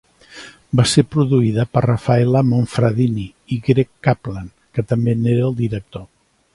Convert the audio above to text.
Va ser produïda per Rafaela Monfradini i Greg Kaplan, que també n'era el director.